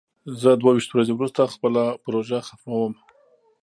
زه دوه ویشت ورځې وروسته خپله پروژه ختموم.